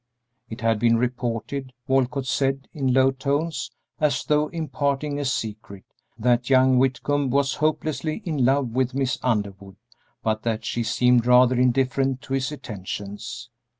It had been reported, Walcott said, in low tones, as though imparting a secret, that young Whitcomb was hopelessly in love with Miss Underwood, but that she seemed rather indifferent to his attentions.